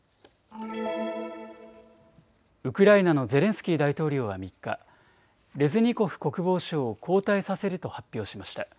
ウクライナのゼレンスキー大統領は３日、レズニコフ国防相を交代させると発表しました。